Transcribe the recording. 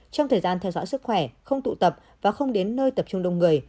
trong thời gian theo dõi sức khỏe không tụ tập và không đến nơi tập trung đông người